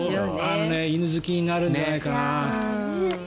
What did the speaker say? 犬好きになるんじゃないかな。